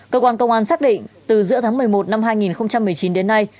cơ quan công an xác định từ giữa tháng một mươi một năm hai nghìn một mươi chín đến nay